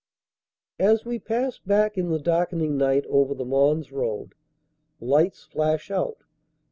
As we pass back in the darkening night over the Mons Road, lights flash out.